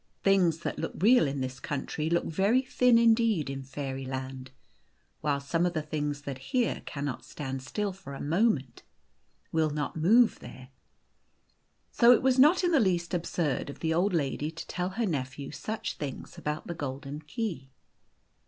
Things that look real in this country look very thin indeed in Fairyland, while some of the things that here cannot stand still for a moment, will ~ not move there. So it was not in the least absurd of the old lady to tell her nephew such things about the golden key.